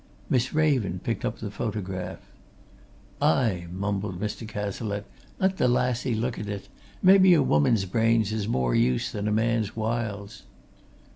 Miss Raven picked up the photograph. "Aye!" mumbled Mr. Cazalette. "Let the lassie look at it! Maybe a woman's brains is more use than a man's whiles."